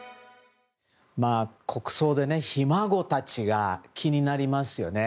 国葬でひ孫たちが気になりますよね。